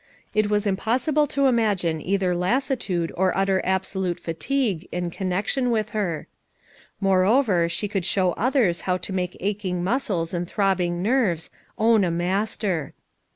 It was impossible to imagine either lassitude or utter FOUR MOTHERS AT CHAUTAUQUA 315 absolute fatigue in connection with her. More over she could show others how to make ach ing muscles and throbbing nerves own a mas ter.